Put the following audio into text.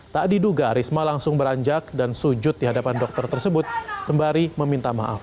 tak diduga risma langsung beranjak dan sujud di hadapan dokter tersebut sembari meminta maaf